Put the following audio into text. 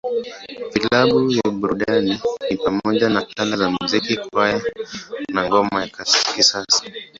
Vilabu vya burudani ni pamoja na Ala za Muziki, Kwaya, na Ngoma ya Kisasa.